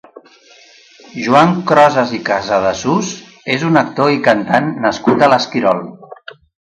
Joan Crosas i Casadesús és un actor i cantant nascut a l'Esquirol.